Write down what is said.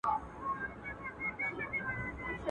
دتوپان په دود خروښيږي ..